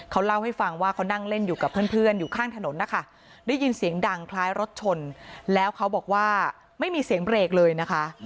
เขาเล่าให้ฟังว่าเขานั่งเล่นอยู่กับเพื่อนอยู่ข้างถนนนะคะได้ยินเสียงดังคล้ายรถชนแล้วเขาบอกว่าไม่มีเสียงเบรกเลยนะคะ